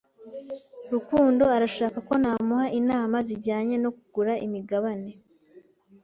Rukundo arashaka ko namuha inama zijyanye no kugura imigabane.